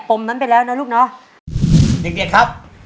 ปุ๊ดในรถครับ